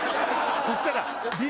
そしたら。